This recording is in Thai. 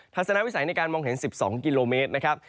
ทัศนวิสัยในการมองเห็น๑๒กิโลเมตรนะครับ